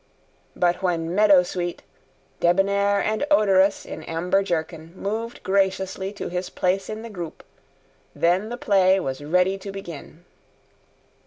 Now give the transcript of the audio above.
But when meadow sweet, debonair and odorous in amber jerkin, moved graciously to his place in the group, then the play was ready to begin.